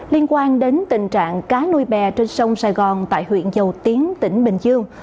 liên quan đến tình trạng cá nuôi bè trên sông sài gòn tại huyện dầu tiến tỉnh bình dương